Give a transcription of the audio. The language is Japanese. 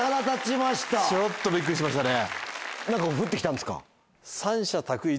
ちょっとびっくりしましたね。